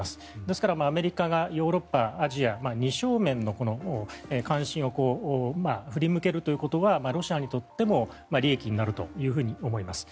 ですからアメリカがヨーロッパ、アジア二正面の関心を振り向けるということがロシアにとっても利益になると思います。